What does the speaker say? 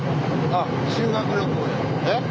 あ修学旅行やねん。